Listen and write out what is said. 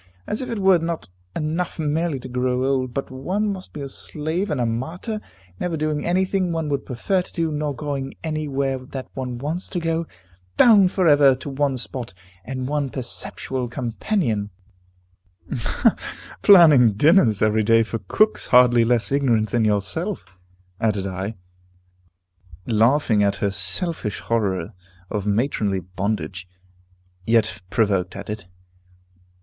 As if it were not enough merely to grow old, but one must be a slave and a martyr, never doing any thing one would prefer to do, nor going anywhere that one wants to go, bound for ever to one spot, and one perpetual companion " "Planning dinners every day for cooks hardly less ignorant than yourself," added I, laughing at her selfish horror of matronly bondage, yet provoked at it.